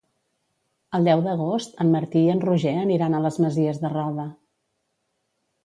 El deu d'agost en Martí i en Roger aniran a les Masies de Roda.